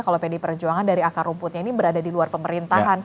kalau pd perjuangan dari akar rumputnya ini